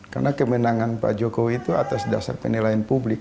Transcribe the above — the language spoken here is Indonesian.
karena kemenangan pak jokowi itu atas dasar penilaian publik